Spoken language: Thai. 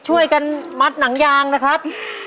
ช่วยกันมัดหนังยางนะครับ